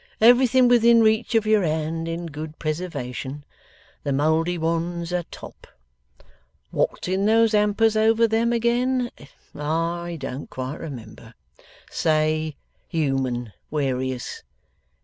Everything within reach of your hand, in good preservation. The mouldy ones a top. What's in those hampers over them again, I don't quite remember. Say, human warious.